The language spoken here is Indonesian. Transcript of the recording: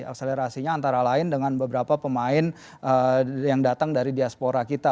akselerasinya antara lain dengan beberapa pemain yang datang dari diaspora kita